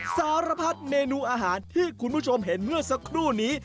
สารพัดเมนูอาหารที่คุณผู้ชมเห็นเมื่อสักครู่นี้